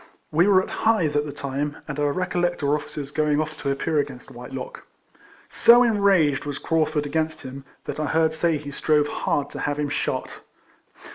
We were at Hythe at the time, and I recollect our officers going olF to appear against Whitelock. So enraged was Craufurd against him, that I heard say he strove hard to have him shot.